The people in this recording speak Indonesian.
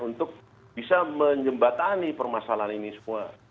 untuk bisa menjembatani permasalahan ini semua